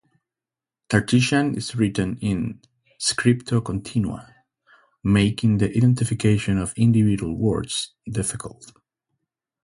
Tartessian is written in "scriptio continua," making the identification of individual words difficult.